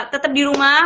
tetap di rumah